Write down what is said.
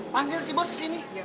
panggil si bos kesini